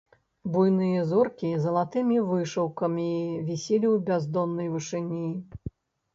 Буйныя зоркі залатымі вышыўкамі віселі ў бяздоннай вышыні.